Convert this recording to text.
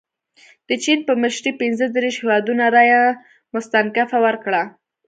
د چین په مشرۍ پنځه دېرش هیوادونو رایه مستنکفه ورکړه.